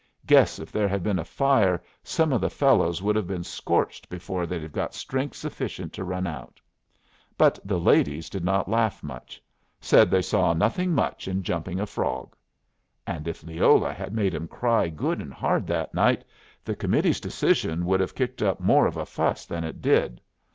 Guess if there had been a fire, some of the fellows would have been scorched before they'd have got strength sufficient to run out. But the ladies did not laugh much. Said they saw nothing much in jumping a frog. And if Leola had made 'em cry good and hard that night, the committee's decision would have kicked up more of a fuss than it did.